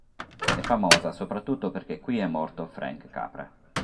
È famosa soprattutto perché qui è morto Frank Capra.